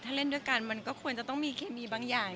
ถ้าเล่นด้วยกันมันก็ควรจะต้องมีเคมีบางอย่าง